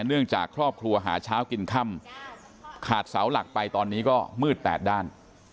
เนื่องจากครอบครัวหาเช้ากินค่ำขาดเสาหลักไปตอนนี้ก็มืดแปดด้าน